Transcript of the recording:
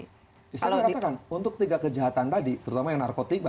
bisa dikatakan untuk tiga kejahatan tadi terutama yang narkotika